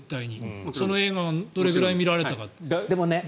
その映画がどれぐらい見られたかって。